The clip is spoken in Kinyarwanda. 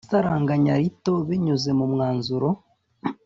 isaranganya rito binyuze mu mwanzuro